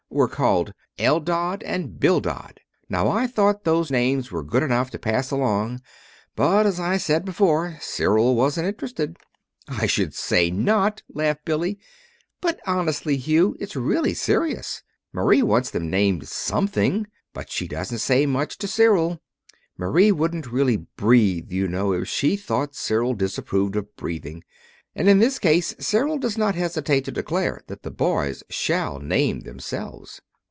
were called Eldad and Bildad. Now I thought those names were good enough to pass along, but, as I said before, Cyril wasn't interested." "I should say not," laughed Billy. "But, honestly, Hugh, it's really serious. Marie wants them named something, but she doesn't say much to Cyril. Marie wouldn't really breathe, you know, if she thought Cyril disapproved of breathing. And in this case Cyril does not hesitate to declare that the boys shall name themselves."